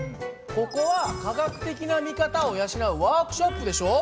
ここは科学的な見方を養うワークショップでしょ。